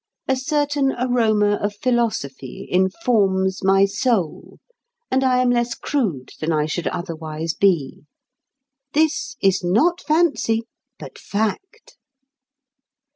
A certain aroma of philosophy informs my soul, and I am less crude than I should otherwise be. This is not fancy, but fact.